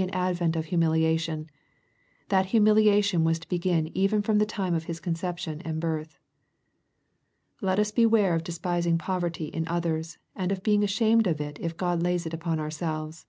an advent of humiliation. That humiliation was to begin even from the time of His conception and birth. Let us beware of despising poverty in others, and ol being ashamed of it if God lays it upon ourselves.